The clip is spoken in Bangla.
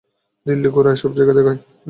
দিল্লি ঘুরাই, সব জায়গা দেখাই।